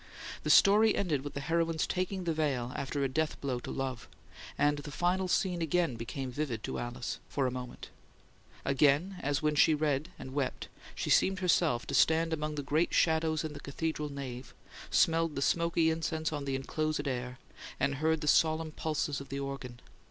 The story ended with the heroine's taking the veil after a death blow to love; and the final scene again became vivid to Alice, for a moment. Again, as when she had read and wept, she seemed herself to stand among the great shadows in the cathedral nave; smelled the smoky incense on the enclosed air, and heard the solemn pulses of the organ.